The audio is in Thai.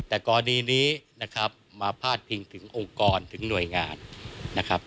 แต่กรณีนี้นะครับมาพาดพิงถึงองค์กรถึงหน่วยงานนะครับ